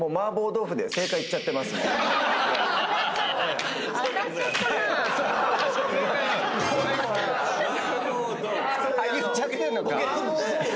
言っちゃってんのか。